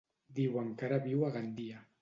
Diuen que ara viu a Gandia.